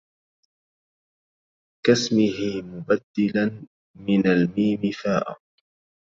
كاسمه مبْدلاً من الميم فاءَ